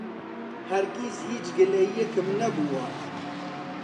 هەرگیز هیچ گلەیییەکم نەبووە.